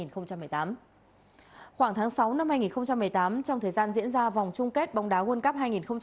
khoảng tháng sáu năm hai nghìn một mươi tám trong thời gian diễn ra vòng chung kết bóng đá world cup hai nghìn một mươi chín